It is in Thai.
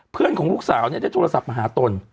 ของลูกสาวได้โทรศัพท์มาหาตน